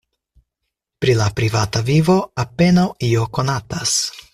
Pri la privata vivo apenaŭ io konatas.